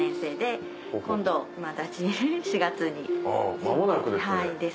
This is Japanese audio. あ間もなくですね。